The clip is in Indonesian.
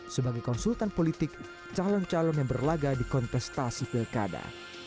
sebagai konsultan politik calon calon yang berlaga di kontestasi pilkada